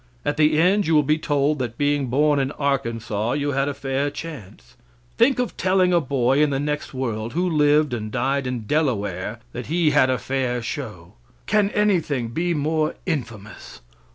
At the end you will be told that being born in Arkansas you had a fair chance. Think of telling a boy in the next world, who lived and died in Delaware, that he had a fair show! Can anything be more infamous?